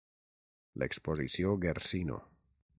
L'exposició Guercino.